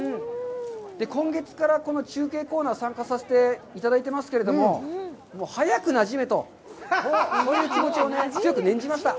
今月からこの中継コーナー参加させていただいてますけれども、早くなじめと、そういう気持ちを強く念じました。